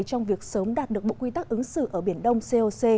trong việc sớm đạt được bộ quy tắc ứng xử ở biển đông coc